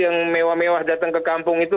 yang mewah mewah datang ke kampung itu